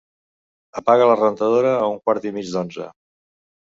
Apaga la rentadora a un quart i mig d'onze.